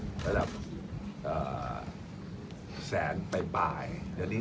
แต่ถ้าเรามีการดูแลเรื่อย